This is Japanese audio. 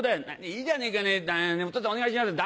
「いいじゃねえかおとっつぁんお願いします。